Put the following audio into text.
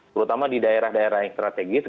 terutama di daerah daerah yang strategis